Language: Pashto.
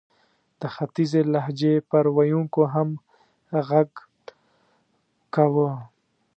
د ختیځې لهجې پر ویونکو هم ږغ کاوه.